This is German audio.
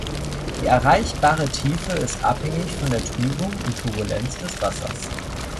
Die erreichbare Tiefe ist abhängig von der Trübung und Turbulenz des Wassers.